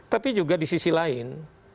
tapi juga di sisi lain